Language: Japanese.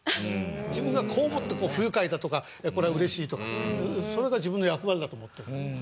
自分がこう思って不愉快だとかこれは嬉しいとかそれが自分の役割だと思ってる。